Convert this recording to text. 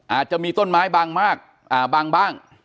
อาจจะมีต้นไม้บาง